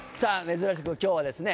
珍しく今日はですね